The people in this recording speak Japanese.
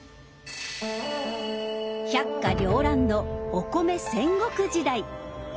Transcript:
百花繚乱のお米戦国時代！